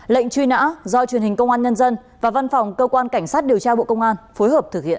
lệnh truy nã do truyền hình công an nhân dân và văn phòng cơ quan cảnh sát điều tra bộ công an phối hợp thực hiện